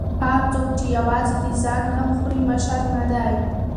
هغه څوک چې یوازې د ځان غم خوري مشر نه دی.